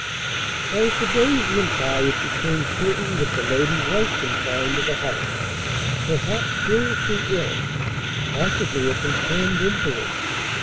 As the days went by it became certain that the lady was confined to the house, perhaps seriously ill, possibly a confirmed invalid.